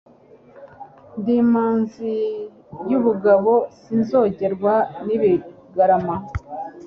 ndi imanzi y'ubugabo sinsongerwa n'ibigarama.